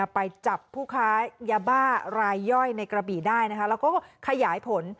ไปจับผู้ค้ายาบ้ารายย่อยในกระบี่ได้นะคะแล้วก็ขยายผล